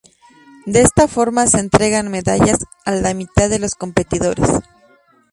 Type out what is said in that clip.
De esta forma se entregan medallas a la mitad de los competidores.